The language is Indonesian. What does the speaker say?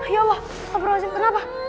ya allah kamu berhasil kenapa